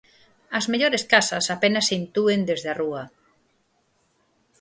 As mellores casas apenas se intúen desde a rúa.